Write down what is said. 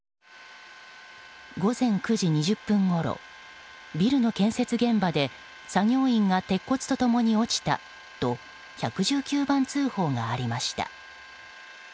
午前９時２０分ごろビルの建設現場で作業員が鉄骨と共に落ちたと１１９番通報がありました。